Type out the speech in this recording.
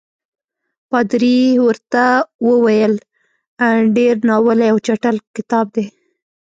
پادري ورته وویل ډېر ناولی او چټل کتاب دی.